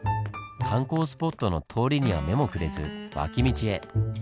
観光スポットの通りには目もくれず脇道へ。